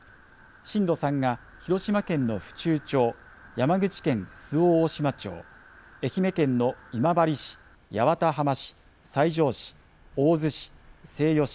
震度３が広島県の府中町、山口県周防大島町、愛媛県の今治市、八幡浜市、西条市、大洲市、西予市。